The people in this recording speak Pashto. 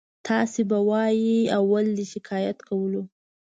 تاسې به وایئ اول دې شکایت کولو.